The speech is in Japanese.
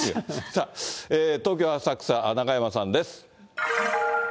さあ、東京・浅草、中山さんです。